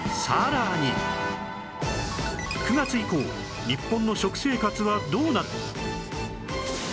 ９月以降日本の食生活はどうなる？